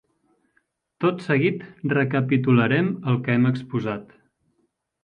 Tot seguit recapitularem el que hem exposat.